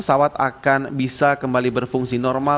saat bus besar rule punya